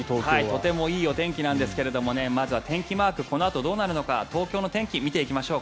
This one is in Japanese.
とてもいいお天気なんですが天気マークこのあとどうなるのか東京の天気、見ていきましょう。